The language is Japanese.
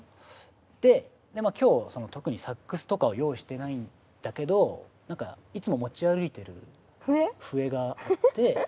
で今日特にサックスとかは用意してないんだけどなんかいつも持ち歩いてる笛があって。